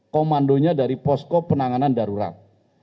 komandonya dari posko penanganan darurat